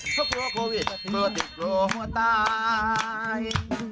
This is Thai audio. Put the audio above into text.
ก็กลัวโควิดก็กลัวติดกลัวหัวตาย